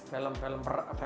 film film perang ya